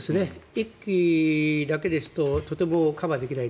１基だけですととてもカバーできない。